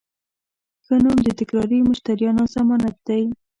ښه نوم د تکراري مشتریانو ضمانت دی.